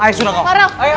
ayo sudah kau